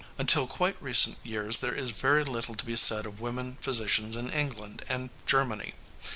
Until quite recent years there is very little to be said of women physicians in England and Germany.